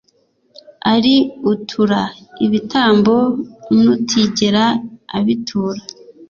ari utura ibitambo n'utigera abitura